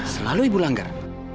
selalu ibu langgar